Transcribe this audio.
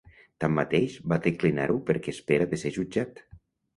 Tanmateix, va declinar-ho perquè espera de ser jutjat.